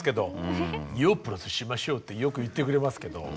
「ＹＯＨしましょう」ってよく言ってくれますけど。